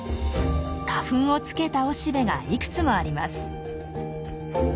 花粉をつけた雄しべがいくつもあります。